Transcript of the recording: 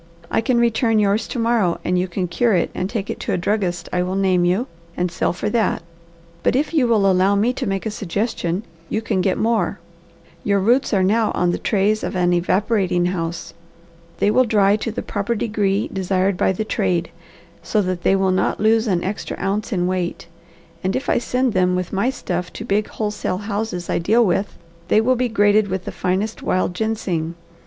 I can return yours to morrow and you can cure and take it to a druggist I will name you, and sell for that. But if you will allow me to make a suggestion, you can get more. Your roots are now on the trays of an evaporating house. They will dry to the proper degree desired by the trade, so that they will not lose an extra ounce in weight, and if I send them with my stuff to big wholesale houses I deal with, they will be graded with the finest wild ginseng.